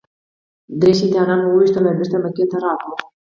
درې شیطانان مو وويشتل او بېرته مکې ته راغلو.